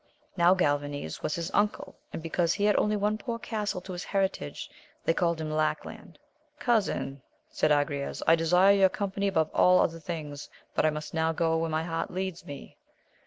Now Galvanes was his uncle, and because he had only one poor castle to his heritage, they called him Lackland.* Cousin, said Agrayes, I desire your company above all other things, but I must now go where my heart leads me.